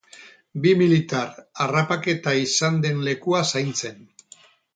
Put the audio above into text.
Bi militar, harrapaketa izan den lekua zaintzen.